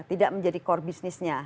tidak menjadi core businessnya